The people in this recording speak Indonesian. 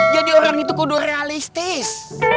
jadi orang itu kudu realistis